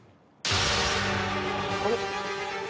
あれ？